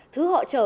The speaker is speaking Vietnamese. thứ họ chở